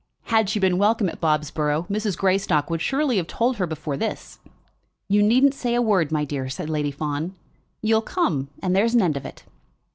Had she been welcome at Bobsborough, Mrs. Greystock would surely have so told her before this. "You needn't say a word, my dear," said Lady Fawn. "You'll come, and there's an end of it."